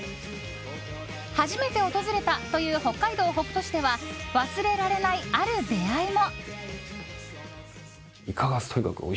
初めて訪れたという北海道北斗市では忘れられない、ある出会いも。